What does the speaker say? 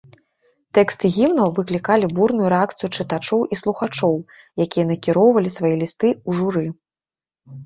Тэксты гімнаў выклікалі бурную рэакцыю чытачоў і слухачоў, якія накіроўвалі свае лісты ў журы.